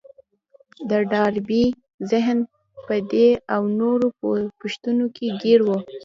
د ډاربي ذهن په دې او نورو پوښتنو کې ګير و.